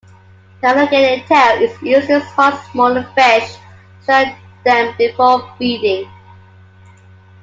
The elongated tail is used to swat smaller fish, stunning them before feeding.